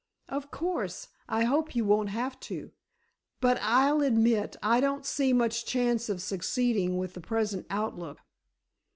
"Of course I hope you won't have to, but, I'll admit I don't see much chance of succeeding with the present outlook."